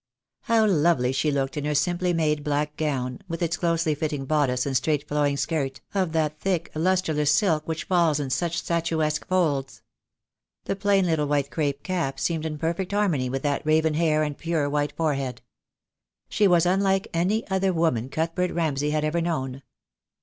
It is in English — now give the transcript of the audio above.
How lovely she looked in her simply made black gown, with its closely fitting bodice and straight flowing skirt, of that thick lustreless silk which falls in such statuesque folds! The plain little white crape cap seemed in perfect harmony with that raven hair and pure white forehead. She was unlike any other woman Cuthbert Ramsay had ever known.